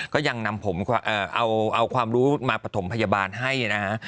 ก็ยังนำผมเอาความรู้มาประถมพยาบาลให้นะฮะ